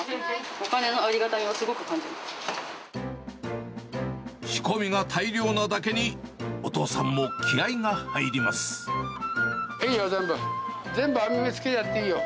お金のありがたみをすごく感じま仕込みが大量なだけに、いいよ、全部、全部、網目つけちゃっていいよ。